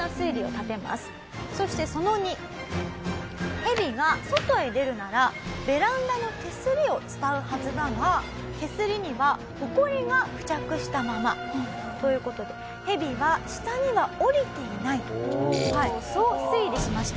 ヘビが外へ出るならベランダの手すりをつたうはずだが手すりには埃が付着したまま。という事でヘビは下には降りていない！とそう推理しました。